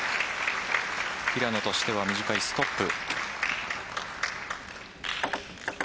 平野としては短いストップ。